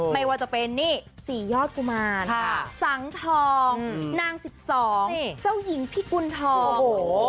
ไม่ว่าจะเป็นนี่๔ยอดกุมารสังทองนาง๑๒เจ้าหญิงพิกุณฑอง